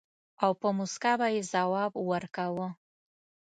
او په مُسکا به يې ځواب ورکاوه.